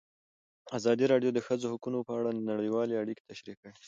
ازادي راډیو د د ښځو حقونه په اړه نړیوالې اړیکې تشریح کړي.